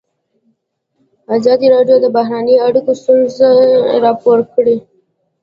ازادي راډیو د بهرنۍ اړیکې ستونزې راپور کړي.